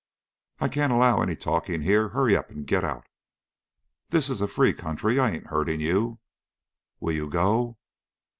"I can't allow any talking here. Hurry up and get out." "This is a free country. I ain't hurting you." "Will you go?"